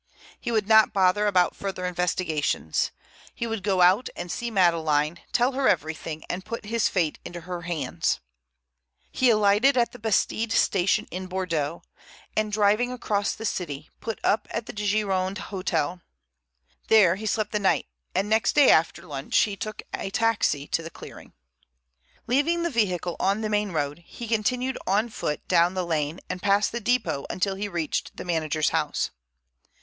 He would not bother about further investigations. He would go out and see Madeleine, tell her everything, and put his fate into her hands. He alighted at the Bastide Station in Bordeaux, and driving across to the city, put up at the Gironde Hotel. There he slept the night, and next day after lunch he took a taxi to the clearing. Leaving the vehicle on the main road, he continued on foot down the lane and past the depot until he reached the manager's house.